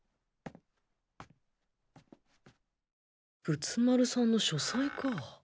仏丸さんの書斎か。